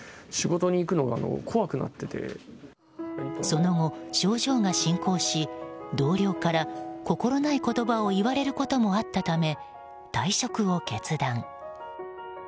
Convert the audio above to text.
その後、症状が進行し同僚から心ない言葉を言われることもあったため退職を決断。